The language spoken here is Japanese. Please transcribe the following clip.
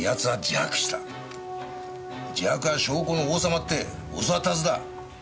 自白は証拠の王様って教わったはずだ。